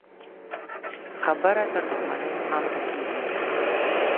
خبره تر دښمنيو هم رسېږي.